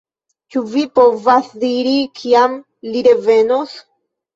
Ĉu vi povas diri, kiam li revenos?